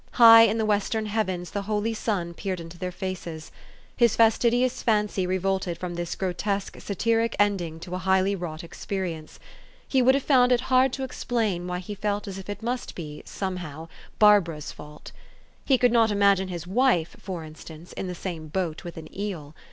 High in the western heavens the holy sun peered into their faces. His fastidious fancy revolted from this grotesque, satiric ending to a highly wrought experi ence. He would have found it hard to explain wlty he felt as if it must be, somehow, Barbara's fault. He could not imagine his wife, for instance, in the same boat with an eel.